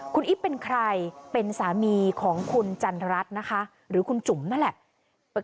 คุณอิ๊บเป็นใครเป็นสามีของคุณจันทรัฐนะคะหรือคุณจุ๋มนั่นแหละ